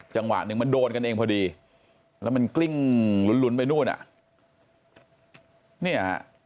จังหวะหนึ่งมันโดนกันเองพอดีแล้วมันกลิ้งลุ้นไปนู่นอ่ะเนี่ยฮะ